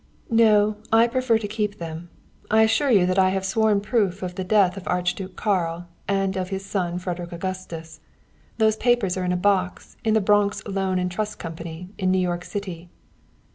"No; I prefer to keep them. I assure you that I have sworn proof of the death of the Archduke Karl, and of his son Frederick Augustus. Those papers are in a box in the Bronx Loan and Trust Company, in New York City."